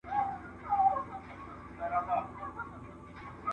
چي د ظلم او استبداد څخه یې !.